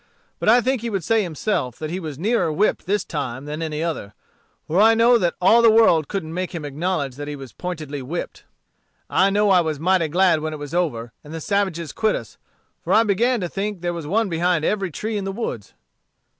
But I think he would say himself that he was nearer whipped this time than any other; for I know that all the world couldn't make him acknowledge that he was pointedly whipped. I know I was mighty glad when it was over, and the savages quit us, for I began to think there was one behind every tree in the woods."